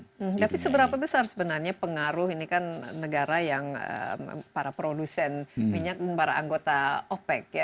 tapi seberapa besar sebenarnya pengaruh ini kan negara yang para produsen minyak dan para anggota opec ya